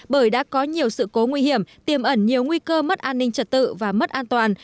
bởi đã có nhiều sự cố nguy hiểm tiềm ẩn nhiều nguy cơ mất an ninh trật tự và mất an toàn